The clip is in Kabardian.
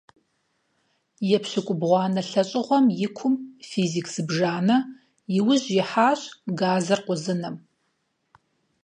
ЕпщыкIубгъуанэ лIэщIыгъуэм и кум физик зыбжанэ и ужь ихьащ газыр къузыным.